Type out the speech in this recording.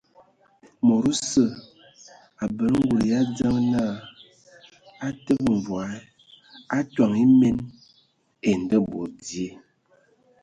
Mod osə abələ ngul yʼadzəŋ na utəbə mvɔa atoŋ emien ai ndabod dzie.